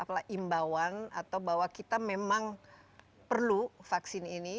apalagi imbauan atau bahwa kita memang perlu vaksin ini